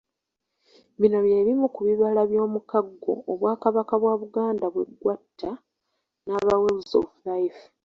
Bino bye bimu kubibala by'omukago Obwakabaka bwa Buganda bwe gwatta n'aba Wells of Life.